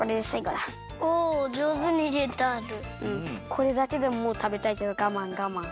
これだけでももうたべたいけどがまんがまん。